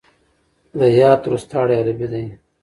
د يات روستاړی عربي دی.